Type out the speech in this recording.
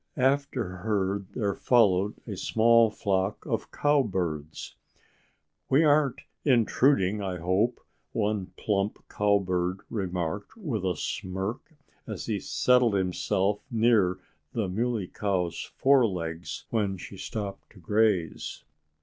After her there followed a small flock of cowbirds. "We aren't intruding, I hope," one plump cowbird remarked with a smirk as he settled himself near the Muley Cow's forelegs, when she stopped to graze.